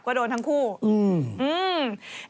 ก็โดนทั้งคู่อืมอืม